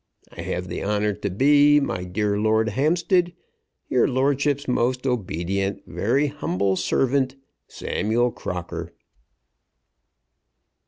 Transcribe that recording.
I have the honour to be, My dear Lord Hampstead, Your lordship's most obedient, Very humble servant, SAMUEL CROCKER.